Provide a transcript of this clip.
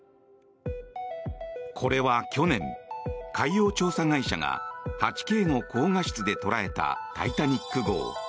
これは去年、海洋調査会社が８Ｋの高画質で捉えた「タイタニック号」。